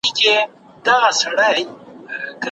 دا ګرام نه دئ.